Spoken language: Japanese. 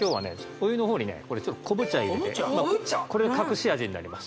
お湯の方にねこれ昆布茶入れてこれ隠し味になります